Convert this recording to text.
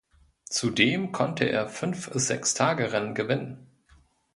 Zudem konnte er fünf Sechstagerennen gewinnen.